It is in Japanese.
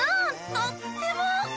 とっても！